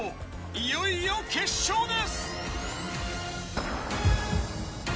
いよいよ決勝です。